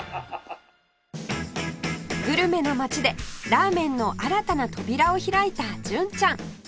グルメな町でラーメンの新たな扉を開いた純ちゃん